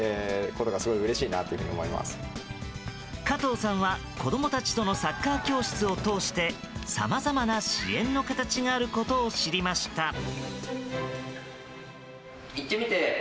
加藤さんは、子供たちとのサッカー教室を通してさまざまな支援の形があることを知りました。